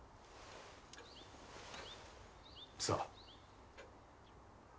さあ。